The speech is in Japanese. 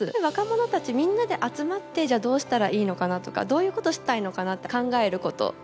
若者たちみんなで集まってじゃあどうしたらいいのかなとかどういうことしたいのかなって考えること。